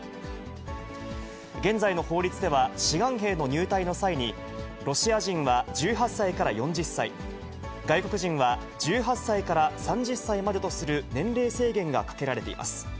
現在の法律では、志願兵の入隊の際に、ロシア人は１８歳から４０歳、外国人は１８歳から３０歳までとする年齢制限がかけられています。